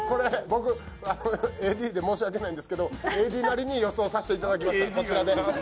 僕、ＡＤで申し訳ないんですけど、ＡＤなりに予想させていただきました。